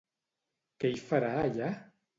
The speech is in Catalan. Què hi farà allà?